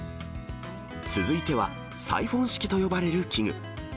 続いては、サイフォン式と呼ばれる器具。